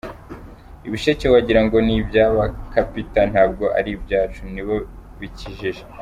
Ibisheke wagira ngo ni ibya abakapita ntabwo ari ibyacu! Ni bo bikijije.